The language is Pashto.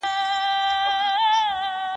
چي له ستوني دي آواز نه وي وتلی.